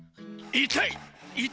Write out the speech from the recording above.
いたい！